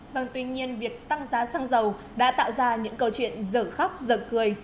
vâng tuy nhiên việc tăng giá xăng dầu đã tạo ra những câu chuyện giở khóc giở cười